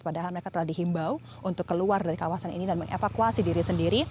padahal mereka telah dihimbau untuk keluar dari kawasan ini dan mengevakuasi diri sendiri